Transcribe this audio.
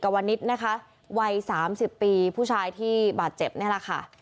วัยสามสิบปีผู้ชายที่บาดเจ็บนี่แหละค่ะ